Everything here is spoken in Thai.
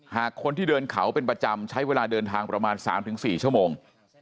หากคนที่เดินเขาเป็นประจำใช้เวลาเดินทางประมาณ๓๔ชั่วโมง